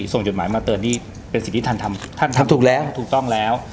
ส่งจอมหมายมาเตินที่เป็นสิทธิ์ท่านทำได้ก็ถูกต้องแล้ว